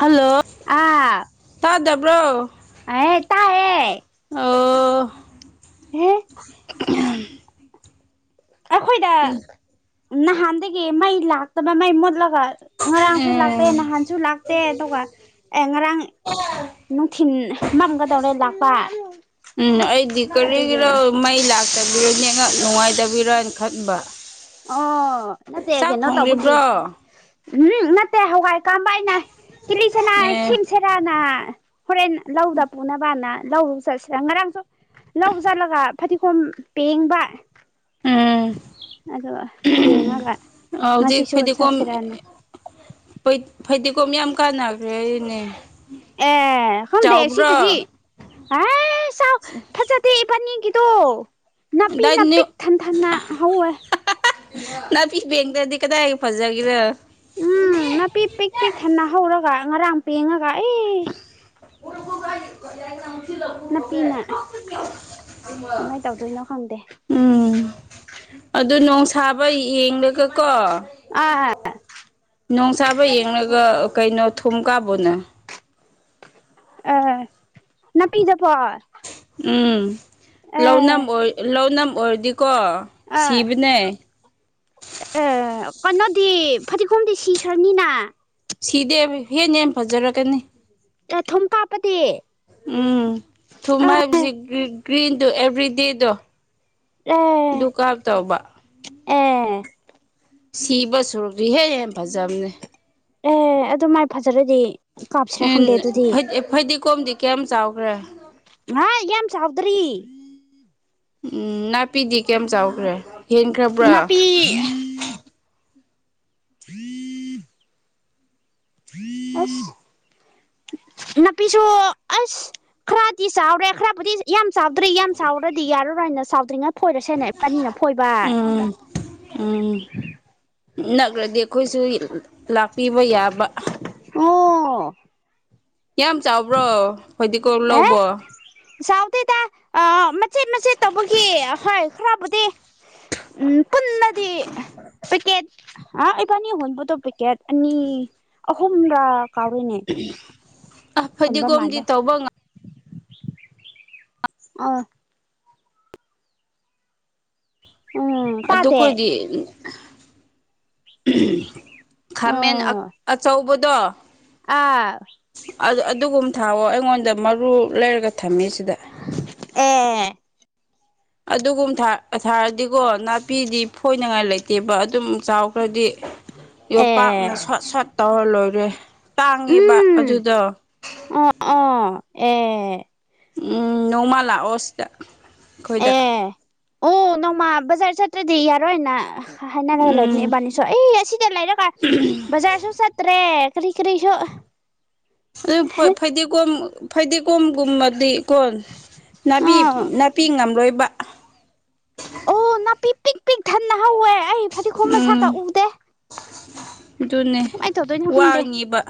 hello ꯇꯥꯗꯕ꯭ꯔꯣ ꯑ ꯇꯥꯏꯑꯦ ꯑꯣ ꯑꯦ [unintelligible] [inaudible] ꯑꯩꯈꯣꯏꯗ ꯎꯝ ꯅꯍꯥꯟꯗꯒꯤ ꯃꯩ ꯂꯥꯛꯇꯕ ꯃꯩ ꯃꯣꯠꯂꯛ ꯉꯔꯥꯡꯁꯨ ꯂꯥꯛꯇꯦ ꯎꯝ ꯅꯍꯥꯟꯁꯨ ꯂꯥꯛꯇꯦ ꯑꯗꯨꯒ ꯑꯦ ꯉꯔꯥꯡ ꯅꯨꯡꯊꯤꯤꯟ ꯃꯝꯒꯗꯧꯔꯦ ꯂꯥꯛꯄ ꯎꯝ ꯑꯩꯗꯤ ꯑꯗꯨꯒꯤ ꯀꯔꯤꯒꯤꯔꯣ ꯃꯩ ꯂꯥꯛꯇꯕꯤꯔꯣꯅꯦꯉ ꯅꯨꯡꯉꯥꯏꯇꯕꯤꯔꯅ ꯈꯟꯕ ꯑꯣ ꯅꯠꯇꯦ ꯆꯥꯛ ꯀꯩꯅꯣ ꯇꯧꯕꯒꯤ ꯊꯣꯡꯂꯤꯕ꯭ꯔꯣ ꯎꯝ ꯅꯠꯇꯦ ꯍꯋꯥꯏ ꯀꯏꯅ ꯇꯤꯂꯤꯁꯦꯅ ꯑꯦ ꯁꯤꯝꯁꯦꯔꯥꯅ ꯍꯣꯔꯦꯟ ꯂꯧꯗ ꯄꯨꯅꯕꯅ ꯂ ꯆꯠꯁꯤꯔ ꯉꯔꯥꯡꯁꯨ ꯂꯧ ꯆꯠꯂꯒ ꯐꯗꯤꯒꯣꯝ ꯄꯦꯡꯕ ꯎꯝ ꯑꯗ ꯄꯦꯉ ꯀ ꯍꯧꯖꯤꯛ ꯉꯁꯤꯤꯁꯨꯨ ꯆ ꯐꯗꯤꯒꯣꯝ ꯑꯆꯔꯅꯦ ꯐꯩꯗꯤꯒꯣꯝ ꯌꯥꯝ ꯀꯥꯟꯅꯕ꯭ꯔꯦ ꯑꯩꯅꯦ ꯑꯦ ꯍꯣꯗꯦ ꯁꯤ ꯇꯗꯤ ꯐ ꯇꯣ ꯅꯥꯄꯤ ꯗꯥꯏ ꯅꯥ ꯄꯄꯤꯛ ꯊꯟ ꯊꯟꯅ ꯍꯧꯋꯦ ꯅꯅꯥꯄꯤꯤ ꯕꯦꯡꯗꯗꯤ ꯀꯗꯥꯏ ꯐꯖꯒꯦꯔꯦꯣ ꯎꯝ ꯅꯥ ꯄꯤꯛ ꯄꯤꯛ ꯄꯤꯛ ꯊꯟꯅ ꯍꯧꯔꯒ ꯉꯔꯥꯡ ꯄꯦꯡꯉꯒ ꯑꯩ ꯎꯔ [unintelligible] [inaudible] ꯅꯥꯄꯤꯅ ꯀꯃꯥꯏꯅ ꯇꯧꯗꯣꯏꯅꯣ ꯈꯪꯗꯦ ꯎꯝ ꯑꯗꯨ ꯅꯣꯡꯁꯥꯕ ꯌꯦꯡꯂꯒ ꯀꯣ ꯑꯥ ꯣꯡ ꯁꯥꯥꯕ ꯌꯦꯡꯂꯒ ꯀꯩꯅꯣ ꯊꯨꯝ ꯀꯥꯕꯅ ꯑ ꯅꯅꯥ ꯄꯤꯗ ꯐ ꯎꯝ ꯂꯧꯥꯎꯅꯝ ꯑꯣꯏ ꯂꯧꯥꯎꯅꯝ ꯑꯣꯏꯔꯗꯤ ꯀꯣ ꯁꯤꯕꯅꯦꯩ ꯑꯥ ꯀꯩꯅꯣꯗꯤ ꯐꯗꯤꯒꯣꯝꯗꯤ ꯁꯤꯈ꯭ꯔꯅꯤꯅ ꯁꯤꯗꯤꯦ ꯍꯦꯟꯅꯦꯝ ꯐꯖꯔꯛꯀꯅꯤ ꯊꯨꯝ ꯀꯥꯞꯄꯗꯤ ꯑꯥ ꯀꯀ꯭ꯔꯤꯟꯗꯨꯣ ꯑꯦꯚ꯭ꯔꯤꯗꯦꯗꯣ ꯑꯦ ꯗꯨꯀꯥꯞ ꯇꯧꯕ ꯑꯦ ꯁꯤꯕ ꯁꯨꯔꯨꯁꯤ ꯍꯦꯛ ꯌꯥꯝ ꯐꯖꯕꯅꯦ ꯑꯦ ꯑꯗꯨ ꯃꯥꯏ ꯐꯖꯔꯗꯤ ꯀꯥꯞꯁꯤꯔ ꯈꯪꯗꯦ ꯑꯗꯨꯗꯤ ꯀꯣꯝꯗꯤ ꯀꯌꯥꯝ ꯆꯥꯎꯈ꯭ꯔꯦ ꯍꯥ ꯌꯥꯝ ꯆꯥꯎꯗ꯭ꯔꯤ ꯎꯝ ꯅꯥꯄꯤꯗꯤ ꯀꯌꯥꯝꯝ ꯆꯥꯎꯈ꯭ꯔꯦ ꯍꯦꯟꯈ꯭ꯔꯕ꯭ꯔꯥ ꯅꯥꯄꯤ ꯎꯝ ꯐ ꯅꯥꯄꯤꯁꯨ ꯑꯁ ꯈꯔꯗꯤ ꯆꯥꯎꯔꯦ ꯈꯔꯕꯨꯗꯤ ꯌꯥꯝ ꯆꯥꯎꯗ꯭ꯔꯤ ꯌꯥꯝ ꯆꯥꯎꯔꯗꯤ ꯌꯥꯔꯔꯣꯏ ꯅ ꯁ ꯆꯥꯎꯗ꯭ꯔꯤꯉꯩ ꯐꯣꯏꯔꯁꯦꯅ ꯑꯅꯤꯅ ꯐꯣꯏꯕ ꯎꯝ ꯅꯈ꯭ꯔꯗꯤ ꯑꯩꯈꯣꯏꯁꯨ ꯂꯥꯛꯄꯤꯕ ꯌꯥꯕ ꯑ ꯌꯥꯝ ꯆꯥꯎꯕ꯭ꯔꯣ ꯍꯧꯣꯏꯗꯤꯀ ꯑꯦ ꯂꯧꯕꯣ ꯆꯥꯎꯗꯦꯗ ꯑ ꯃꯆꯦꯠ ꯃꯆꯦꯠ ꯇꯧꯕꯒꯤ ꯍꯣꯏ ꯈꯔꯕꯨꯗꯤ ꯎꯝ ꯄꯨꯟꯅ ꯄꯦꯠ ꯑ ꯑꯩꯀꯅꯤ ꯍꯨꯟꯕꯠꯇꯣ ꯄꯦꯀꯦꯠ ꯑꯅꯤ ꯈꯨꯝ ꯀꯅꯦ ꯑ ꯐꯗꯤꯒꯣꯝꯗꯤ ꯇꯧꯕ ꯉ ꯑ ꯎꯝ ꯑꯗꯨ ꯇꯥꯗꯦ ꯑꯩꯈꯣꯏꯗꯤ ꯈꯥꯃꯦꯟ ꯑꯥ ꯑꯆꯧꯕꯗꯣ ꯑꯥ ꯑꯗꯨꯒꯨꯝ ꯊꯥꯑꯣ ꯑꯩꯉꯣꯟꯗ ꯃꯔꯨ ꯂꯩꯔꯒ ꯊꯝꯃꯤ ꯁꯤꯗ ꯑꯦ ꯑꯗꯨꯒꯨꯝ ꯊꯥꯔꯗꯤꯀꯣ ꯅꯥꯄꯤꯗꯤ ꯐꯣꯏꯅꯉꯥꯏ ꯂꯩꯇꯦꯕ ꯑꯗꯨꯝ ꯆꯥꯎꯈ꯭ꯔꯗꯤ ꯌꯣꯄꯥꯛꯅ ꯑꯦ ꯁꯣꯠ ꯁꯣꯠ ꯇꯧꯔ ꯂꯣꯏꯔꯦ ꯇꯥꯡꯉꯦꯕ ꯎꯝ ꯑꯗꯨꯗꯣ ꯑꯣ ꯑꯣ ꯑꯦ ꯎꯝ ꯅꯣꯡꯃ ꯂꯥꯛꯑꯣ ꯁꯤꯗ ꯑꯩꯈꯣꯏꯗ ꯑꯦ ꯑꯣ ꯅꯣꯡꯃ ꯕꯖꯥꯔ ꯆꯠꯇ꯭ꯔꯗꯤ ꯌꯥꯔꯣꯏꯅ ꯍꯥꯏꯅꯔꯒ ꯂꯩꯕꯅꯦ ꯎꯝ ꯏꯕꯥꯅꯤꯁꯨ ꯑꯩ ꯑꯁꯤꯗ ꯂꯩꯔꯒ ꯕꯖꯥꯔꯁꯨ ꯆꯠꯇ꯭ꯔꯦ ꯀꯔꯤ ꯀꯔꯤꯁꯨ ꯑꯗꯨ ꯐꯩꯗꯤꯒꯣꯝ ꯐꯗꯤꯒꯣꯝꯒꯨꯝꯕꯗꯤ ꯭ꯀꯣꯟ ꯅꯥ ꯑꯥ ꯅꯥꯄꯤ ꯉꯝꯂꯣꯏꯕ ꯑꯣ ꯅꯥꯄꯤꯛ ꯄꯤꯛ ꯄꯤꯛ ꯊꯟꯅ ꯍꯧꯋꯦ ꯑꯩ ꯐꯗꯤꯈꯣꯝ ꯃꯁꯥ ꯎꯝ ꯀꯛ ꯎꯗꯦ ꯑꯗꯨꯅꯦ ꯀꯃꯥꯏꯅ ꯇꯧꯗꯣꯏꯅꯣ ꯈꯪꯗꯦ ꯋꯥꯅꯤꯕ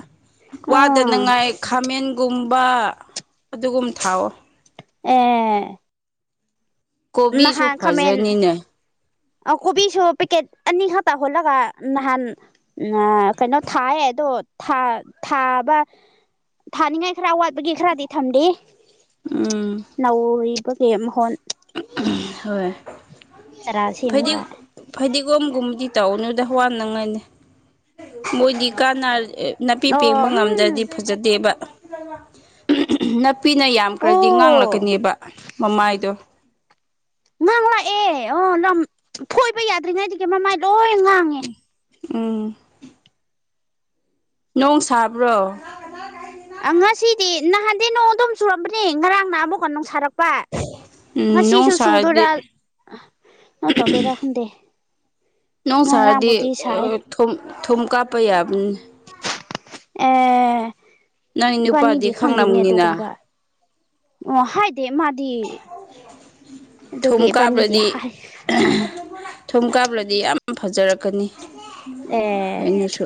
ꯑꯥ ꯋꯥꯗꯅꯉꯥꯏ ꯈꯥꯃꯦꯟ ꯒꯨꯝꯕ ꯑꯗꯨꯒꯨꯝ ꯊꯥꯎꯑꯣ ꯑꯦ ꯀꯣꯕꯤꯁꯨ ꯐꯖꯅꯤꯅꯦ ꯑ ꯀꯣꯕꯤꯁꯨ ꯄꯦꯛꯀꯦꯠ ꯑꯅꯤ ꯈꯇ ꯍꯂꯒ ꯅꯍꯥꯟ ꯑ ꯀꯩꯅꯣ ꯊꯥꯏ ꯑꯗꯣ ꯊꯥꯕ ꯊꯥꯅꯤꯡꯉꯥꯏ ꯈꯔ ꯑꯋꯥꯠꯄꯒꯤ ꯈꯔꯗꯤ ꯊꯝꯗ ꯎꯝ ꯅꯧꯔꯤꯕꯒꯤꯦ ꯃꯍꯣꯟ ꯍꯣꯏ ꯆꯔꯥ ꯐꯗꯤ ꯁꯦꯝꯃꯒ ꯐꯗꯤꯒꯣꯝꯒꯨꯝꯕꯗꯤ ꯇꯧꯅꯨꯗ ꯋꯥꯅꯤꯡꯉꯥꯏꯅꯤ ꯃꯣꯏꯗꯤ ꯀꯥꯟꯅ ꯅꯥꯄꯤ ꯄꯦꯡꯕ ꯑꯣ ꯉꯝꯗ꯭ꯔꯗꯤ ꯎꯝ ꯐꯖꯗꯦꯕ ꯅꯨꯄꯤꯅ ꯌꯥꯝꯈ꯭ꯔꯗꯤ ꯑꯣ ꯉꯥꯡꯂꯛꯀꯅꯦꯕ ꯗꯣ ꯉꯥꯡꯂꯛꯑꯦ ꯑꯣ ꯂꯝ ꯊꯣꯏꯕ ꯌꯥꯗ꯭ꯔꯤꯉꯩꯗꯨꯗꯒꯤ ꯃꯃꯥꯏ ꯂꯣꯏ ꯉꯥꯡ ꯎꯝ ꯅꯣꯡ ꯁꯥꯕ꯭ꯔꯣ ꯑ ꯉꯁꯤꯗꯤ ꯅꯍꯥꯟꯗꯤ ꯅꯣꯡ ꯑꯗꯣꯝ ꯆꯨꯔꯝꯕꯅꯦ ꯉꯔꯥꯡ ꯅ ꯑꯃꯨꯛꯀ ꯅꯨꯡ ꯁꯥꯔꯛꯄ ꯄꯥ ꯎꯝ ꯅꯣꯡ ꯉꯁꯤꯁꯨ ꯆꯨꯗꯣꯏꯔꯥ ꯁꯥꯔꯗꯤ ꯅꯣ ꯇꯧꯗꯣꯏꯔꯥ ꯈꯨꯪꯗꯦ ꯅꯣꯡ ꯅ ꯔꯝꯕꯨꯣꯗꯤ ꯁꯥꯔꯗꯤ ꯁꯥꯏ ꯊꯨꯝ ꯊꯨꯝ ꯀꯥꯞꯄꯩ ꯌꯥꯕꯅꯤ ꯑꯦ ꯅꯪ ꯅꯨꯄꯥꯗꯤ ꯄꯅꯤꯗꯤ ꯈꯥꯟꯗꯅꯦ ꯑꯗꯨ ꯈꯪꯂꯝꯅꯤꯅ ꯀꯣꯟꯕꯥ ꯑꯣ ꯍꯥꯏ ꯗ ꯃꯥꯗꯤ ꯊꯨꯝ ꯑꯗꯨꯒꯤꯕꯥꯅꯤꯗꯤ ꯀꯥꯞꯂꯗꯤ ꯍꯥꯏ ꯊꯨꯝ ꯀꯥꯕꯗꯗꯤ ꯌꯥꯝ ꯐꯖꯔꯛꯀꯅꯤ ꯑꯦ ꯑꯩꯅꯁꯨ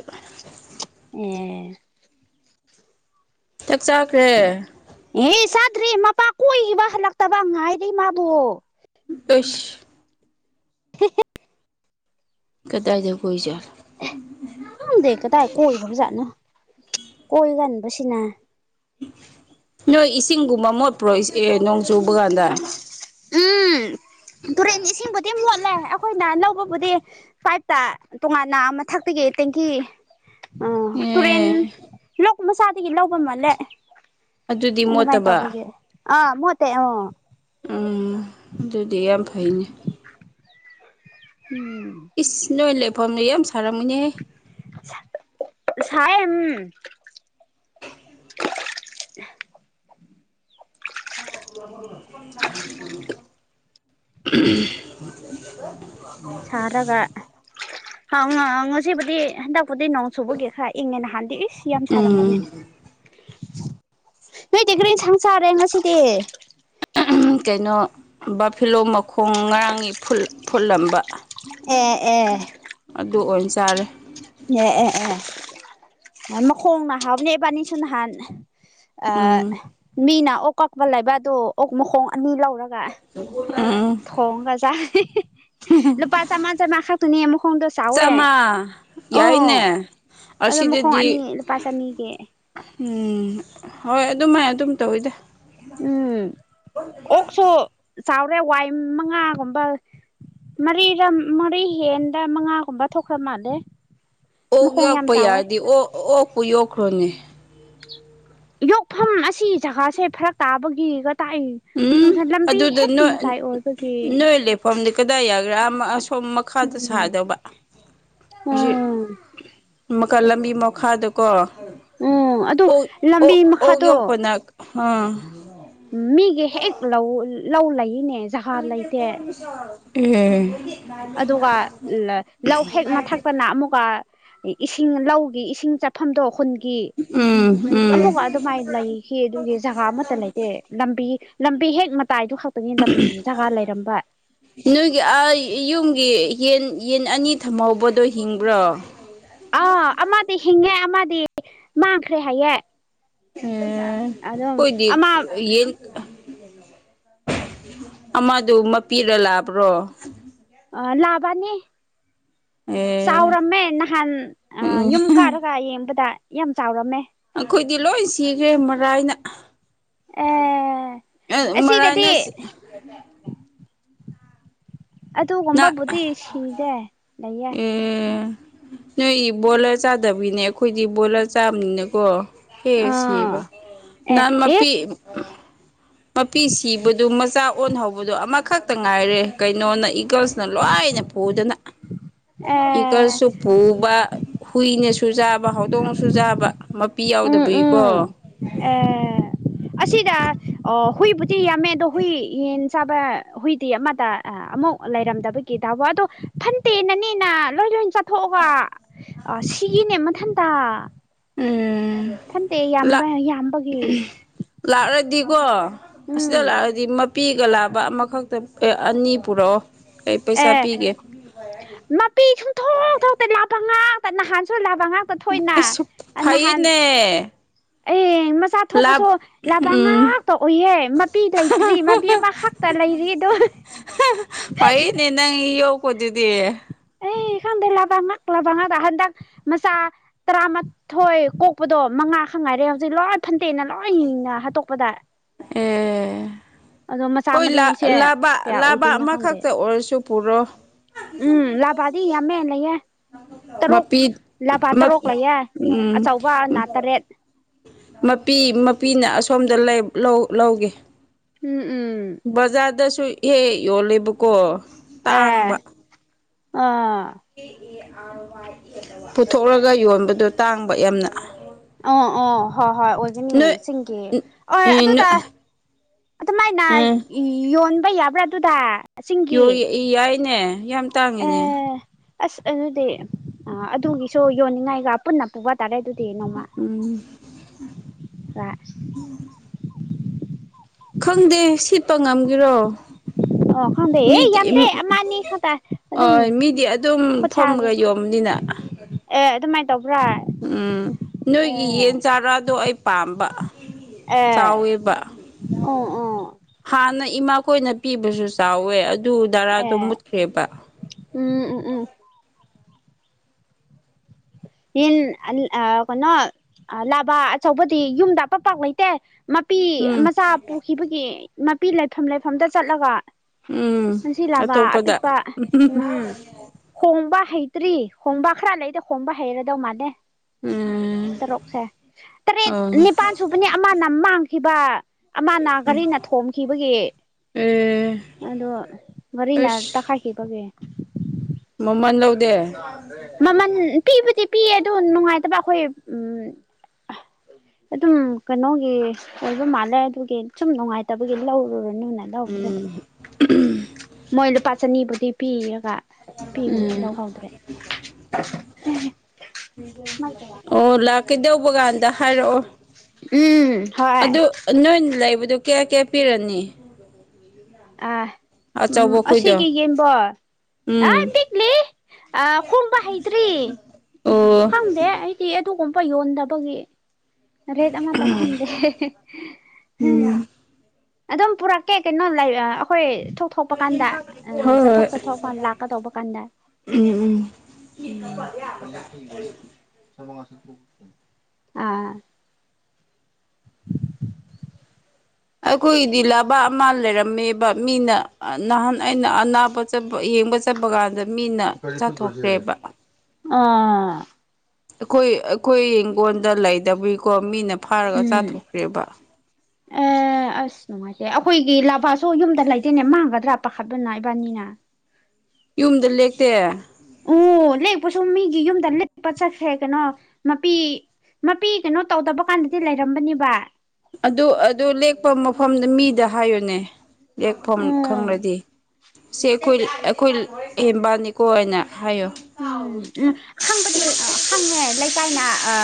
ꯑꯦ ꯆꯥꯛ ꯆꯥꯛꯈ꯭ꯔꯦ ꯑꯦ ꯆꯥꯗ꯭ꯔꯔꯤ ꯃꯄꯥ ꯀꯣꯏꯈꯤꯕ ꯍꯜꯂꯛꯇꯕ ꯉꯥꯏꯔꯤ ꯃꯥꯕꯨꯣ ꯁ [unintelligible] ꯀꯗꯥꯏꯗ ꯀꯣꯏ ꯆ ꯍꯗ ꯀ ꯇ ꯑꯣꯏꯒꯕꯖꯥꯠꯅ ꯀꯣꯏꯒꯥꯟꯕꯁꯤꯅ ꯅꯣꯏ ꯏꯁꯤꯡꯒꯨꯝꯕ ꯃꯣꯠꯄ꯭ꯔꯣ ꯑꯦ ꯅꯣꯡ ꯆꯨꯕ ꯀꯥꯟꯗ ꯎꯝ ꯇꯨꯔꯦꯟ ꯏꯁꯤꯡꯕꯨꯗꯤ ꯃꯣꯠꯂꯦ ꯑꯩꯈꯣꯏꯅ ꯂꯧꯕꯕꯨꯗꯤ ꯄꯥꯏꯞꯇ ꯇꯣꯉꯥꯟꯅ ꯑꯃꯊꯛ ꯦꯇꯦꯡꯀꯤ ꯑ ꯇꯨꯔꯦꯟ ꯑꯦ ꯂ ꯃꯁꯥꯗꯒꯤ ꯂꯧꯕ ꯃꯥꯜꯂꯦ ꯑꯗꯨꯗꯤ ꯃꯣꯠꯇꯕ ꯑ ꯃꯠꯇꯦ ꯑꯣ ꯎꯝ ꯑꯗꯨꯗꯤ ꯌꯥꯝ ꯐꯩꯅꯦ ꯎꯝ ꯏꯁ ꯅꯣꯏ ꯂꯩꯐꯝꯅꯦ ꯌꯥꯝ ꯁꯥꯔꯝꯃꯤꯅꯦꯍ ꯊꯥꯏ ꯎꯝ [unintelligible] ꯁꯥꯔꯒ ꯍ ꯉꯁꯤꯕꯨꯗꯤ ꯍꯟ ꯄꯗꯩ ꯅꯣꯡ ꯆꯨꯕꯒꯤ ꯈꯔ ꯏꯪꯉꯦ ꯅꯍꯥꯟꯗꯤ ꯏꯁ ꯌꯥꯝ ꯁꯥꯔꯝꯕꯅꯦ ꯎꯝ ꯅꯣꯏꯗꯤ ꯔꯤ ꯁꯪ ꯆꯔꯦ ꯉꯁꯤꯗꯤ ꯀꯩꯅꯣ ꯕꯥꯐꯤꯂꯣꯝ ꯃꯈꯣꯡ ꯉꯔꯥꯡ ꯐꯨꯠꯂꯝꯕ ꯑꯦ ꯑꯦ ꯑꯗꯨ ꯑꯣꯏꯅ ꯆꯥꯔꯦ ꯃ ꯈꯣꯡꯅꯍꯥꯕ ꯑꯦꯕꯥꯅꯤꯁꯨꯅꯍꯥꯟ ꯑ ꯎꯝ ꯃꯤꯅ ꯑꯣꯛ ꯀꯛꯄ ꯂꯩꯕꯗꯣ ꯑꯣꯛ ꯃꯈꯣꯡ ꯑꯅꯤ ꯂꯧꯋ ꯒ ꯎꯝ ꯊꯣꯡ ꯀꯖꯥ ꯂꯨꯄꯥ ꯆꯥꯥꯟ ꯆ ꯍꯥꯥ ꯇꯅꯤ ꯑꯃꯨ ꯆꯃꯥ ꯌꯥꯏꯅꯦ ꯑꯣ ꯑꯗꯣ ꯃꯈꯣꯡ ꯑꯁꯤꯗꯗꯤ ꯑꯅꯤ ꯂꯨꯄꯥ ꯆꯅꯤꯒꯤ ꯎꯝ ꯍꯣꯏ ꯑꯗꯨꯃꯥꯏ ꯑꯗꯨꯝ ꯇꯧꯋꯤꯗ ꯎꯝ ꯑꯣꯛꯁꯨ ꯆꯥꯎꯔꯦ ꯋꯥꯏ ꯃꯉꯥꯒꯨꯝꯕ ꯃꯔꯤ ꯃꯔꯤ ꯍꯦꯟꯗ ꯃꯉꯥꯒꯨꯝꯕ ꯊꯣꯛꯈ꯭ꯔ ꯃꯥꯜꯂꯦ ꯑꯣꯛ ꯃꯈꯣꯡ ꯌꯥꯝ ꯌꯣꯛꯄ ꯆꯥꯎꯋꯦ ꯌꯥꯔꯗꯤ ꯑꯣ ꯑꯣꯛꯄꯨ ꯌꯣꯛꯈ꯭ꯔꯣꯅꯦ ꯌꯣꯛꯐꯝ ꯑꯁꯤ ꯖꯒꯥꯁꯦ ꯐꯔꯛ ꯇꯥꯕꯒꯤ ꯎꯝ ꯑꯗꯨꯗ ꯅꯣꯏ ꯃꯇꯥꯏ ꯑꯣꯏꯕꯒꯤ ꯅꯣꯏ ꯂꯦꯐꯝꯗꯤ ꯀꯗꯥꯏ ꯌꯥꯒ꯭ꯔꯥ ꯐꯣꯝ ꯃꯈꯥꯗ ꯎꯝ ꯁꯥꯗꯕ ꯍꯧ ꯎꯝ ꯃꯈꯜ ꯂꯝꯕꯤ ꯃꯈꯥꯗꯀꯣ ꯎꯝ ꯑꯗꯨ ꯑꯣ ꯑꯣ ꯂꯝꯕꯤ ꯑꯣꯛ ꯃꯈꯥꯗꯣ ꯌꯣꯛꯄ ꯅ ꯍꯥꯥ ꯃꯤꯒꯤ ꯍꯦꯛ ꯂꯧ ꯂꯧ ꯂꯩꯅꯦ ꯖꯍꯥ ꯂꯩꯇꯦ ꯎꯝ ꯑꯗꯨꯒ ꯂꯧ ꯍꯦꯛ ꯃꯊꯛꯇꯅ ꯑꯃꯨꯛꯀ ꯏꯁꯤꯡ ꯂꯧꯒꯤ ꯏꯁꯤꯡ ꯆꯥꯐꯝꯗꯣ ꯍꯨ ꯎꯝ ꯎꯝ ꯑꯃꯒ ꯑꯗꯨꯃꯥꯏꯅ ꯂꯩꯈꯤ ꯑꯗꯨꯒꯤ ꯖꯒꯥ ꯑꯃꯠꯇ ꯂꯩꯇꯦ ꯂꯝꯕꯤ ꯂꯝꯕꯤ ꯍꯦꯛ ꯃꯇꯥꯏꯗꯨ ꯈꯛꯇꯒꯤ ꯂꯝ ꯖꯒꯥ ꯂꯩꯔꯝꯕ ꯅꯣꯏꯒꯤ ꯑꯥ ꯌꯨꯝꯒꯤ ꯌꯦꯟ ꯌꯦꯟ ꯑꯅꯤ ꯊꯝꯍꯧꯕꯗꯣ ꯍꯤꯡꯕ꯭ꯔꯣ ꯑꯥ ꯑꯃꯗꯤ ꯍꯤꯡꯉꯦ ꯑꯃꯗꯤ ꯃꯥꯡꯈ꯭ꯔꯦ ꯍꯥꯏꯌꯦꯦ ꯎ ꯍꯣꯏꯗꯤ ꯌꯦ ꯑꯃꯗꯨ ꯃꯄꯤꯔ ꯂꯥꯛꯕ꯭ꯔꯣ ꯑ ꯂꯕꯥꯅꯤ ꯑꯦ ꯆꯥꯎꯔꯝꯃꯦ ꯅꯍꯥꯟ ꯎꯝ ꯌꯨꯝ ꯀꯥꯔꯒ ꯌꯦꯡꯕꯗ ꯌꯥꯝ ꯆꯥꯎꯔꯝꯃꯦ ꯑꯩꯈꯣꯏꯗꯤ ꯂꯣꯏ ꯁꯤꯈ꯭ꯔꯦ ꯃꯔꯥꯏꯅ ꯑꯦ ꯑ ꯑꯁꯤꯗꯗꯤ ꯃꯔꯥꯏꯅꯁꯤ ꯅ ꯑꯗꯨꯒꯒꯨꯝꯕꯕꯨꯗꯤ ꯁꯤꯗꯦ ꯂꯩꯌꯦꯦ ꯑꯦ ꯅꯣꯏ ꯕꯣꯂꯔ ꯆꯥꯗꯕꯤꯅꯦ ꯑꯩꯈꯣꯏꯗꯤ ꯕꯣꯂꯔ ꯆꯥꯕꯅꯤꯅꯀꯣ ꯑꯥ ꯍꯦꯁꯤꯕ ꯑꯦ ꯑꯦ ꯅꯃꯄꯤ ꯃꯄꯤ ꯁꯤꯕꯗꯨ ꯃꯆꯥ ꯑꯣꯟꯍꯧꯕꯗꯨ ꯑꯃꯈꯛꯇ ꯉꯥꯏꯔꯦ ꯀꯩꯅꯣꯅ ꯏꯀꯜꯁꯅ ꯂꯣꯏꯅ ꯄꯨꯗꯅ ꯑꯦ ꯏꯀꯜꯁꯁꯨ ꯄꯨꯨꯕ ꯍꯨꯏꯅ ꯁꯨꯖꯥꯕ ꯍꯥꯎꯗꯣꯡ ꯁꯨꯖꯥꯕ ꯎꯝ ꯎꯝ ꯑꯦ ꯑꯁꯤꯗ ꯍꯨꯏꯕꯨꯗꯤ ꯌꯥꯝꯃꯦ ꯑꯗꯣ ꯍꯨꯏ ꯌꯦꯟ ꯆꯥꯕ ꯍꯨꯏꯗꯤ ꯑꯃꯗ ꯑꯃꯨꯛ ꯂꯩꯔꯝꯗꯕꯒꯤ ꯕꯣ ꯑꯗꯣ ꯐꯟꯠꯇꯦꯅꯅꯦꯅ ꯂꯣꯏ ꯂꯣꯏ ꯆꯠꯊꯣꯛꯑꯒ ꯀꯅꯦ ꯃꯊꯟꯇ ꯐꯟꯇꯦ ꯂꯥ ꯌꯥꯝꯕ ꯌꯥꯝꯕꯒꯤ ꯂꯥꯛꯑꯗꯤꯀꯣ ꯑꯁꯤꯗ ꯎꯝ ꯂꯥꯛꯑꯗꯤ ꯄꯤꯒ ꯂꯥꯕ ꯑꯃꯈꯛꯇ ꯑꯅꯤ ꯄꯨꯔꯛꯑꯣ ꯑꯩ ꯄꯩꯁꯥ ꯑꯦ ꯄꯤꯒꯦ ꯃꯄꯤ ꯁꯨꯝꯊꯣꯛꯣꯛꯇ ꯂꯥꯄ ꯉꯥꯛꯇ ꯅꯍꯥꯟꯁꯨ ꯂꯥ ꯃ ꯉꯥꯛꯇ ꯊꯣꯏꯅ ꯑꯁ ꯅꯍꯥꯟ ꯐꯩꯌꯦꯅꯦ ꯑꯩ ꯃꯆꯥ ꯂꯥꯞ ꯊꯣꯛꯄꯁꯨ ꯂꯕ ꯎꯝ ꯉꯥꯛꯇ ꯑꯣꯏꯍꯦ ꯃꯄꯤ ꯂꯩꯇ꯭ꯔꯤ ꯃꯄꯤ ꯑꯃꯈꯛꯇ ꯂꯩꯔꯤ ꯑꯗꯨ ꯐꯩꯅꯦ ꯅꯪ ꯌꯣ ꯀꯗꯤꯗꯤꯦ ꯑꯩ ꯈꯪꯗꯦ ꯂꯕꯥ ꯉꯍꯥꯛ ꯂꯕ ꯉꯥꯛ ꯍꯟꯗꯛ ꯃꯆꯥ ꯇꯔꯥꯃꯥꯊꯣꯏ ꯀꯣꯛꯄꯗꯣ ꯃꯉꯥ ꯈꯪ ꯉꯥꯏꯔꯦ ꯍꯧꯖꯤꯛ ꯂꯣꯏ ꯊꯟꯇꯦꯅ ꯂꯣꯏꯅ ꯍꯥꯠꯇꯣꯛꯄꯗ ꯑꯦ ꯑꯗꯣ ꯃꯆꯥ ꯍꯣꯏ ꯃꯔꯤꯁꯦ ꯂꯥꯕꯥ ꯀꯌꯥ ꯂꯥꯕꯥ ꯑꯣꯏꯗꯣꯏꯅꯣ ꯈꯪꯗꯦ ꯑꯃꯈꯛꯇ ꯑꯣꯏꯔꯁꯨ ꯄꯨꯔꯣ ꯎꯝ ꯂ ꯄꯗꯤ ꯑꯃꯦ ꯏ ꯂꯩꯌꯦꯦ ꯇꯔꯨꯛ ꯃꯄꯤ ꯂꯚ ꯃꯞ ꯇꯔꯨꯛ ꯂꯩꯌꯦꯦ ꯎꯝ ꯑꯆꯧꯕ ꯑꯅꯥ ꯇꯔꯦꯠ ꯃꯄꯤ ꯃꯄꯤꯅ ꯑꯁꯣꯝꯗ ꯂꯧꯒꯦ ꯎꯝ ꯎꯝ ꯕꯖꯥꯔꯗꯁꯨ ꯍꯦꯛ ꯌꯣꯜꯂꯦꯕꯀꯣ ꯑꯦ ꯇꯥꯡꯕ ꯑꯥ ꯄꯨꯊꯣꯛꯂꯒ ꯌꯣꯟꯕꯗꯣ ꯇꯥꯡꯕ ꯌꯥꯝꯅ ꯑ ꯑꯣ ꯍꯣꯏ ꯍꯣꯏ ꯑꯣꯏꯒꯅꯤ ꯁꯤꯡꯒꯤ ꯍ ꯅꯣꯏ ꯑꯗꯨꯗ ꯑꯗꯨꯃꯥꯏꯅ ꯎꯝ ꯌꯣꯟꯕ ꯌꯥꯕ꯭ꯔꯥ ꯑꯗꯨꯗ ꯆꯤꯡꯒꯤ ꯌꯥꯏꯅꯦ ꯌꯥꯝ ꯇꯥꯡꯏꯤꯅꯦ ꯑꯦ ꯑꯁ ꯑꯗꯨꯗꯤ ꯑꯗꯨꯒꯤꯁꯨ ꯌꯣꯟꯅꯤꯡꯉꯥꯏꯒ ꯄꯨꯟꯅ ꯄꯨꯕ ꯇꯥꯔꯦ ꯑꯗꯨ ꯇꯅ ꯎꯝ ꯔꯥꯁ ꯈꯪꯗꯦ ꯁꯤꯠꯄ ꯉꯝꯒꯤꯔꯣ [inaudible] ꯑꯣ ꯈꯪꯗꯦ ꯑꯦ ꯃꯤꯗꯤ ꯌꯥꯝꯗ꯭ꯔꯦ ꯑꯃꯅꯤ ꯑꯅꯤ ꯈꯛꯇ ꯑꯗꯨꯝ ꯍꯣꯏ ꯃꯤꯗꯤ ꯑꯗꯨꯝ ꯈꯣꯠꯁꯑꯒꯦ ꯐꯝꯃꯒ ꯌꯣꯝꯕꯅꯤꯅ ꯑꯦ ꯑꯗꯨ ꯃꯥꯏ ꯎꯝ ꯅꯣꯏꯒꯤ ꯑꯦ ꯌꯦꯟ ꯆꯥꯔꯥꯗꯣ ꯑꯩ ꯄꯥꯝꯕ ꯑꯦ ꯆꯎꯦꯕ ꯎꯝ ꯎꯝ ꯍꯥꯥ ꯅ ꯏꯃꯥꯈꯣꯏꯅ ꯄꯤꯕꯁꯨ ꯆꯥꯎꯋꯦ ꯑꯗꯨ ꯗꯥꯔꯥꯗꯣ ꯑꯦ ꯃꯨꯠꯈ꯭ꯔꯦꯕ ꯎꯝ ꯎꯝ ꯎꯝ ꯌꯦꯟ ꯑ ꯀꯅ ꯑ ꯂꯥꯕꯥ ꯑꯆꯧꯕꯗꯤ ꯌꯨꯝꯗ ꯑ ꯄ ꯄꯥꯛ ꯂꯩꯇꯦ ꯃꯄꯤ ꯎꯝ ꯃꯆꯥ ꯄꯨꯈꯤꯕꯒꯤ ꯃꯄꯤ ꯂꯩꯐꯝ ꯂꯩꯐꯝꯗ ꯆꯠꯂꯒ ꯎꯝ ꯉꯟꯁꯤ ꯂꯥꯕ ꯑꯇꯣꯞꯄꯗ ꯑꯄꯤꯛꯄ ꯎꯝ ꯍꯣꯡꯕ ꯍꯩꯇ꯭ꯔꯤ ꯍꯣꯡꯕ ꯈꯔ ꯂꯩꯗ ꯍꯣꯡꯕ ꯍꯩꯔꯗꯧ ꯃꯥꯜꯅꯦ ꯎꯝ ꯇꯔꯨꯛꯁꯦ ꯇꯔꯦꯠ ꯑꯣ ꯅꯤꯄꯥꯜ ꯁꯨꯕꯅꯤ ꯑꯃꯅ ꯃꯥꯡꯈꯤꯕ ꯑꯃꯅ ꯒꯥꯔꯤꯅ ꯊꯣꯝꯈꯤꯕꯒꯤ ꯑꯦ ꯑꯗꯣ ꯃꯔꯤꯅ ꯑꯁ ꯇꯈꯥꯏꯈꯤꯕꯒꯦ ꯃꯃꯜ ꯂꯧꯗꯦ ꯃꯃ ꯕꯨꯗꯤ ꯄꯤꯌꯦ ꯑꯗꯨ ꯅꯨꯡꯉꯥꯏꯇꯕ ꯑꯩꯈꯣꯏ ꯎꯝ ꯑꯗꯨꯝ ꯀꯩꯅꯣꯒꯤ ꯑꯣꯏꯕ ꯃꯥꯜꯂꯦ ꯑꯗꯨꯒꯤ ꯁꯨꯝ ꯅꯨꯡꯉꯥꯏꯇꯕꯒꯤ ꯂꯧꯔꯨꯔꯦ ꯨꯅ ꯂꯧꯍꯧꯗ꯭ꯔꯦ ꯃꯣꯏ ꯂꯨꯄꯥ ꯆꯅꯤꯕꯨꯗꯤ ꯄꯤꯔꯒ ꯄꯤꯕꯅꯤ ꯂꯧꯍꯧꯗ꯭ꯔꯦ ꯑꯣ ꯂꯥꯛꯀꯦꯗꯧꯕ ꯀꯥꯟꯗ ꯍꯥꯏꯔꯛꯑꯣ ꯎꯝ ꯍ ꯂꯩꯕꯗꯣ ꯀꯌꯥ ꯀꯌꯥ ꯄꯤꯔꯅꯤ ꯑ ꯎꯝ ꯑꯆꯧꯕ ꯈꯣꯏꯗꯣ ꯑꯁꯤꯒꯤ ꯌꯦꯡꯕꯣ ꯎꯝ ꯑ ꯈꯣꯡꯕ ꯍꯩꯇ꯭ꯔꯤ ꯑꯣ ꯈꯪꯗꯦ ꯑꯩꯗꯤ ꯑꯗꯨꯒ ꯑꯄ ꯌꯣꯟꯗꯕꯒꯤ ꯔꯦꯠ ꯑꯃꯇ ꯈꯪꯗꯦ ꯎꯝ ꯑꯗꯨꯝ ꯄꯨꯔꯛꯀꯦ ꯀꯩꯅꯣ ꯑꯩꯈꯣꯏ ꯆꯠꯊꯣꯛ ꯊꯣꯛꯄ ꯀꯥꯟꯗ ꯎ ꯍꯣꯏ ꯆꯠꯊꯣꯛ ꯍꯣꯏ ꯆꯠꯊꯣꯛ ꯂꯥꯛꯀꯗꯧꯕ ꯀꯥꯟꯗ ꯎꯝ ꯎꯝ ꯀꯖꯣ ꯁꯃꯛꯁ ꯑꯥ ꯑꯩꯈꯣꯏꯒꯤꯗꯤ ꯂꯕꯥ ꯑꯃ ꯂꯩꯔꯝꯃꯦꯕ ꯃꯤꯅ ꯅꯍꯥꯟ ꯑꯩꯅ ꯑꯅꯥꯕ ꯆꯠꯄ ꯌꯦꯡꯕ ꯆꯠꯄ ꯀꯥꯟꯗ ꯃꯤꯅ ꯆꯥꯊꯣꯛꯈ꯭ꯔꯦꯕ ꯑꯥ ꯑꯩꯈꯣꯏ ꯑꯩꯈꯣꯏ ꯌꯦꯡꯒꯣꯟꯗ ꯂꯩꯗꯕꯒꯤꯀꯣ ꯃꯤꯅ ꯐꯥꯔꯒ ꯆꯥꯊꯣꯛꯈ꯭ꯔꯦꯕ ꯑ ꯑꯁ ꯅꯨꯡꯉꯥꯏꯇꯦ ꯑꯩꯈꯣꯏꯒꯤ ꯂꯕꯥꯁꯨ ꯌꯨꯝꯗ ꯂꯩꯇꯣꯏꯅꯦ ꯃꯥꯡꯒꯗ꯭ꯔꯥ ꯄꯥꯈꯠꯄꯅ ꯏꯕꯥꯅꯤꯅ ꯌꯨꯝꯗ ꯂꯦꯛꯇꯦ ꯎ ꯂꯦꯛꯄꯁꯨꯨꯝ ꯃꯤꯒꯤ ꯌꯨꯝꯗ ꯂꯄ ꯆꯠꯈ꯭ꯔꯦ ꯀꯩꯅꯣ ꯃꯄꯤ ꯃꯄꯤ ꯀꯩꯅꯣ ꯇꯧꯗꯕ ꯀꯥꯟꯗꯗꯤ ꯂꯩꯔꯝꯕꯅꯦꯕ ꯑꯗꯨ ꯑꯗꯨ ꯂꯦꯛꯄ ꯃꯐꯝꯗ ꯃꯤꯗ ꯍꯥꯏꯌꯨꯅꯦ ꯂꯦꯛꯐꯝ ꯎꯝ ꯈꯪꯂꯪꯂꯗꯤ ꯁꯤ ꯑꯩꯈꯣꯏ ꯑꯩꯈꯣꯏ ꯍꯦꯝꯕꯥꯅꯤꯀꯣ ꯍꯥꯏꯅ ꯍꯥꯏꯌꯣ ꯎꯝ ꯎꯝ ꯍꯪꯕꯗꯤ ꯍꯪꯉꯦ ꯂꯩꯀꯥꯏꯅ ꯑ